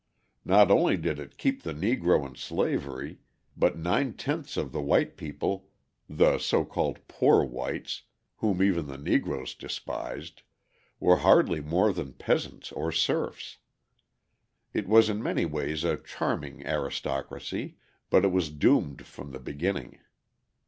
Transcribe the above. Not only did it keep the Negro in slavery, but nine tenths of the white people (the so called "poor whites," whom even the Negroes despised) were hardly more than peasants or serfs. It was in many ways a charming aristocracy, but it was doomed from the beginning.